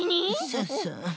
そうそう。